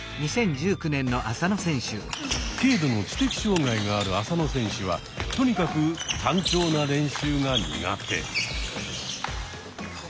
軽度の知的障害がある浅野選手はとにかく単調な練習が苦手。